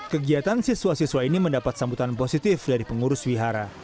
kegiatan siswa siswa ini mendapat sambutan positif dari pengurus wihara